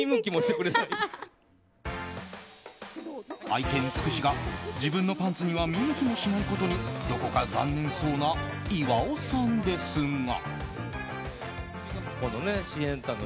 愛犬つくしが自分のパンツには見向きもしないことにどこか残念そうな岩尾さんですが。